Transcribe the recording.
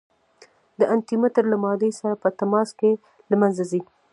د انټي مټر له مادې سره په تماس کې له منځه ځي.